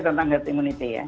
tentang herd immunity ya